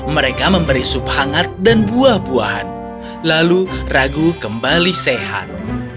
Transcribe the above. mereka memberi sup hangat dan buah buahan lalu ragu kembali sehat